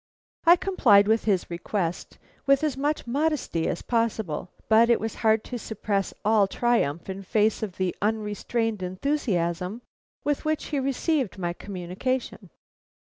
I complied with his request with as much modesty as possible. But it was hard to suppress all triumph in face of the unrestrained enthusiasm with which he received my communication.